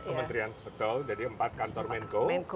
kementerian betul jadi empat kantor menko